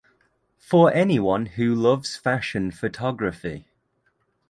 For anyone who loves fashion photography.